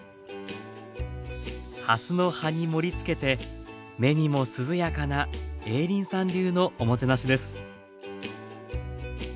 はすの葉に盛りつけて目にも涼やかな映林さん流のおもてなしです。